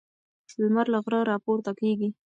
لمر له غره راپورته کیږي.